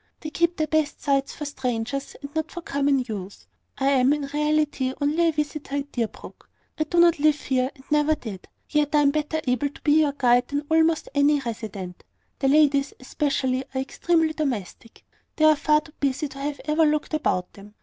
They keep their best sights for strangers, and not for common use. I am, in reality, only a visitor at Deerbrook. I do not live here, and never did; yet I am better able to be your guide than almost any resident. The ladies, especially, are extremely domestic: they are far too busy to have ever looked about them.